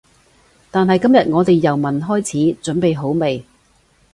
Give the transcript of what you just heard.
但係今日我哋由聞開始，準備好未？